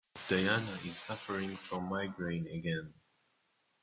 Diana is suffering from migraine again.